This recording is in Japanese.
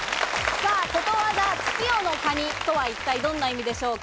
ことわざ、月夜の蟹とは一体どんな意味でしょうか？